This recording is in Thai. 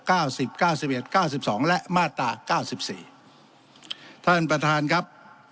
เก้าสิบเก้าสิบเอ็ดเก้าสิบสองและมาตราเก้าสิบสี่ท่านประธานครับ